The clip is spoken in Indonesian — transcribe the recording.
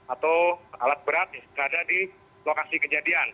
atau alat berat yang berada di lokasi kejadian